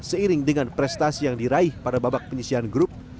seiring dengan prestasi yang diraih pada babak penyisian grup